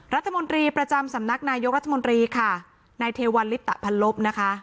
รัฐมนตรีประจำสำนักนายกรัฐมนตรีค่ะนายเทวันลิปตะพันลบนะคะ